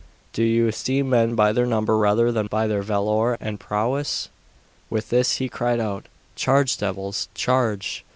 Do you esteem men by their number rather than by their valour and prowess? With this he cried out, Charge, devils, charge!